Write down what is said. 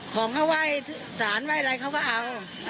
ของเขาไหว้สารไหว้อะไรเขาก็เอา